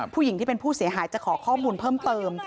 ผู้หญิงที่เป็นผู้เสียหายจะขอข้อมูลเพิ่มเติม